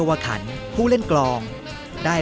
ให้เป็นเมโลดี้